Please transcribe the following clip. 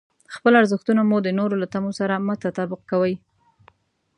خپل ارزښتونه مو د نورو له تمو سره مه تطابق کوئ.